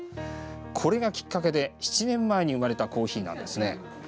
これがきっかけで７年前に生まれたコーヒーなんですね。